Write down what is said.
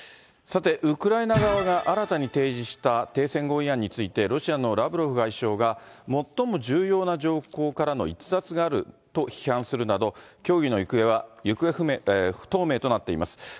さて、ウクライナ側が新たに提示した停戦合意案について、ロシアのラブロフ外相が、最も重要な条項からの逸脱があると批判するなど、協議の行方は不透明となっています。